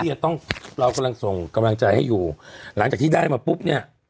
จะต้องเรากำลังส่งกำลังใจให้อยู่หลังจากที่ได้มาปุ๊บเนี่ย